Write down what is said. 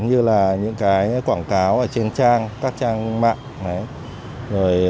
như là những cái quảng cáo ở trên trang các trang mạng rồi